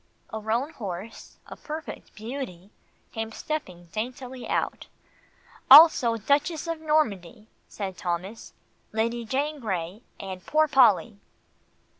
A roan horse a perfect beauty came stepping daintily out. "Also Duchess of Normandy," said Thomas, "Lady Jane Grey, and Poor Polly."